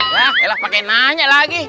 wah elak pakai nanya lagi